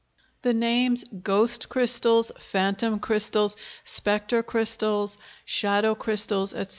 The names "ghost crystals," "phantom crystals," "spectre crystals," "shadow crystals," etc.